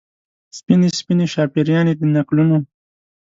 سپینې، سپینې شاپیريانې د نکلونو